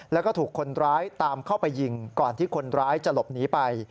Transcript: แล้วก็ถูกคนร้ายตามเข้าไปยิงก่อนที่คนร้ายจะหลบหนีไป